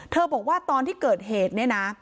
บอกว่าตอนที่เกิดเหตุเนี่ยนะ